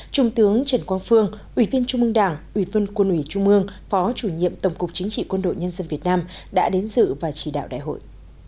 trung tướng trần quang phương ủy viên trung mương đảng ủy phân quân ủy trung mương phó chủ nhiệm tổng cục chính trị quân đội nhân dân việt nam đã đến dự và chỉ đạo đại hội